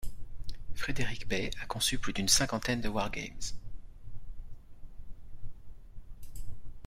Frédéric Bey a conçu plus d'une cinquantaine de wargames.